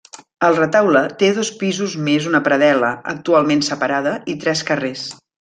El retaule té dos pisos més una predel·la, actualment separada, i tres carrers.